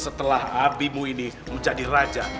setelah abimu ini menjadi raja